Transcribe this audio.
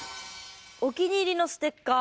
「お気に入りのステッカー」。